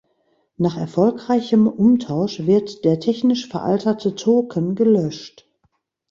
Nach erfolgreichem Umtausch wird der technisch veraltete Token gelöscht.